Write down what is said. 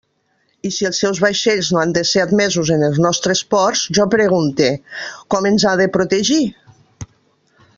I si els seus vaixells no han de ser admesos en els nostres ports, jo pregunte: ¿com ens ha de protegir?